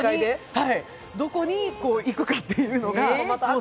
どこに行くかというのが。